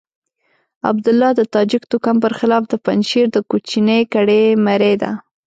عبدالله د تاجک توکم پر خلاف د پنجشير د کوچنۍ کړۍ مرۍ ده.